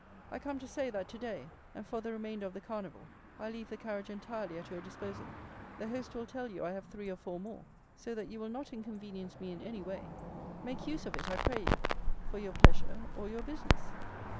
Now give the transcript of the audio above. I come to say that today, and for the remainder of the Carnival, I leave the carriage entirely at your disposal. The host will tell you I have three or four more, so that you will not inconvenience me in any way. Make use of it, I pray you, for your pleasure or your business."